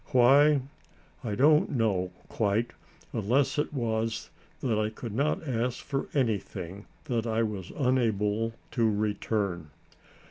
Why? I don't know, quite, unless it was that I could not ask for anything that I was unable to return.